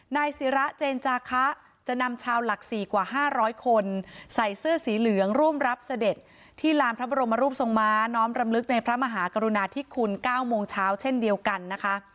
นายศิระเจนจาคะจะนำชาวหลัก๔กว่า๕๐๐คนใส่เสื้อสีเหลืองร่วมรับเสด็จที่ลานพระบรมรูปทรงม้าน้อมรำลึกในพระมหากรุณาธิคุณ๙โมงเช้าเช่นเดียวกันนะคะ